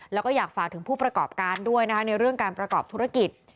แล้วก็อยากฝากถึงผู้ประกอบการด้วยนะคะในเรื่องการประกอบธุรกิจ